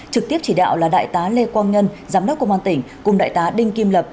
trực tiếp chỉ đạo là đại tá lê quang nhân giám đốc công an tỉnh cùng đại tá đinh kim lập